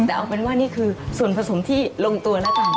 แต่เอาเป็นว่านี่คือส่วนผสมที่ลงตัวแล้วกัน